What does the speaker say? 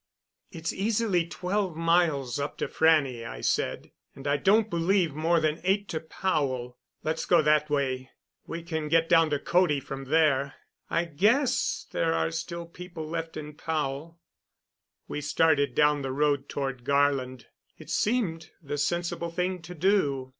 "It's easily twelve miles up to Frannie," I said, "and I don't believe more than eight to Powell. Let's go that way. We can get down to Cody from there. I guess there are still people left in Powell." We started down the road toward Garland. It seemed the sensible thing to do.